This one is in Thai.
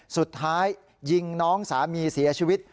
สุดท้ายยิงน้องสามีเสียชีวิต